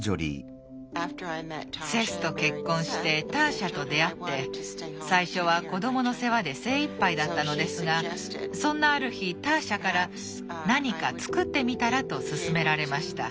セスと結婚してターシャと出会って最初は子どもの世話で精いっぱいだったのですがそんなある日ターシャから「何か作ってみたら」と勧められました。